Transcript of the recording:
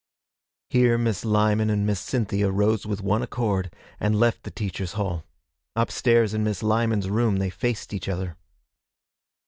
Here Miss Lyman and Miss Cynthia rose with one accord, and left the teachers' hall. Upstairs in Miss Lyman's room they faced each other.